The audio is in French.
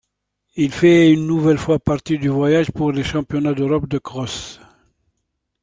Il fait une nouvelle fois partie du voyage pour les championnats d'Europe de cross.